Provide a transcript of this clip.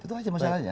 itu aja masalahnya